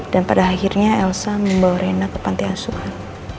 dan pada akhirnya elsa membawa rena ke pantai asuhan